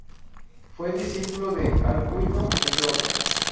Fue discípulo de Alcuino de York.